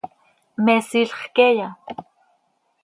¿Me siilx queeya?